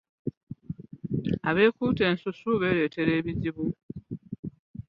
Abeekuuta ensusu beereetera buzibu.